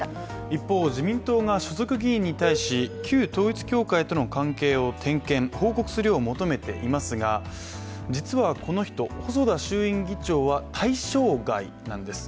一方、自民党が所属議員に対し旧統一教会との関係を点検、報告するよう求めていますが実はこの人、細田衆院議長は対象外なんです。